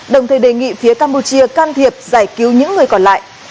đồng thời đề nghị phía campuchia can thiệp giải cứu những người còn lại